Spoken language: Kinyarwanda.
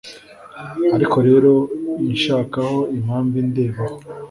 Ariko rero Inshakaho impamvu Indebaho